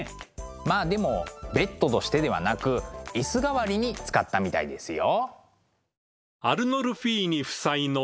まあでもベッドとしてではなく椅子代わりに使ったみたいですよ。